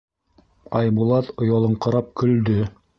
Айбулат оялыңҡырап көлдө.